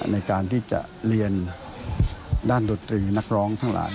ในการที่จะเรียนด้านดนตรีนักร้องทั้งหลาย